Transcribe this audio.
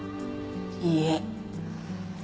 いいえ。